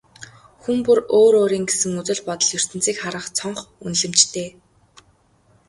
Хүн бүр өөр өөрийн гэсэн үзэл бодол, ертөнцийг харах цонх, үнэлэмжтэй.